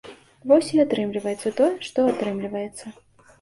Вось і атрымліваецца тое, што атрымліваецца.